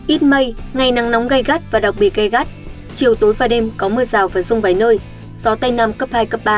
ít mây ngày nắng nóng gây gắt và đặc biệt gây gắt chiều tối và đêm có mưa rào và rông vài nơi gió tay nam cấp hai ba